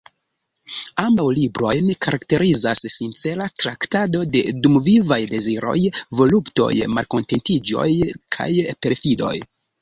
Ambaŭ librojn karakterizas "sincera traktado de dumvivaj deziroj, voluptoj, malkontentiĝoj kaj perfidoj.